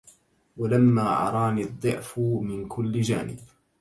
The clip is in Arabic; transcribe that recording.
ولما عراني الضعف من كل جانب